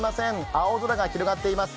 青空が広がっています。